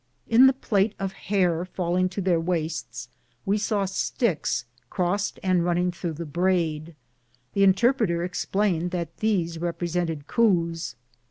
In the plait of hair falling to their waists we saw sticks crossed and running through the braid. The in terpreter explained that these represented "coups."